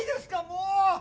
もう！